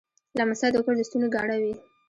لمسی د کور د ستوني ګاڼه وي.